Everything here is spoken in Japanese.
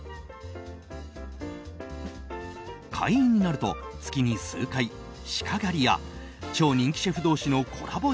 会員になると月に数回、鹿狩りや超人気シェフ同士のコラボ